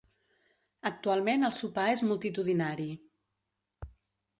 Actualment el sopar és multitudinari.